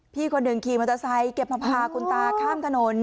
พี่คนหนึ่งขี่มอเตอร์ไซค์แกมาพาคุณตาข้ามถนน